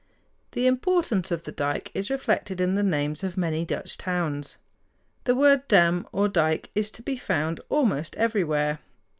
The importance of the dike is reflected in the names of many Dutch towns. The word dam or dike is to be found almost everywhere.